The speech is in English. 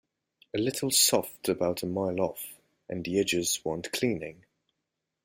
A little soft about a mile off, and the edges want cleaning.